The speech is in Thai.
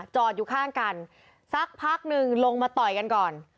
อยู่ข้างกันสักพักหนึ่งลงมาต่อยกันก่อน